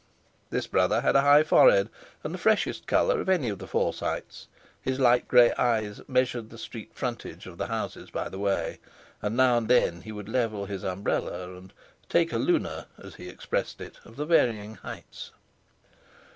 This brother had a high forehead, and the freshest colour of any of the Forsytes; his light grey eyes measured the street frontage of the houses by the way, and now and then he would level his, umbrella and take a "lunar," as he expressed it, of the varying heights.